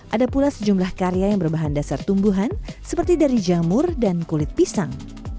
ada pula sejumlah karya yang berbahan dasar tumbuhan seperti dari jamur dan kulit pisang